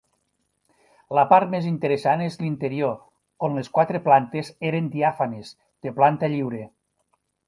La part més interessant és l'interior, on les quatre plantes eren diàfanes, de planta lliure.